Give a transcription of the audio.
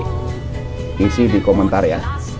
di sini dikomentar ya